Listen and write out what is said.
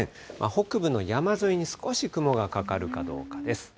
北部の山沿いに少し雲がかかるかどうかです。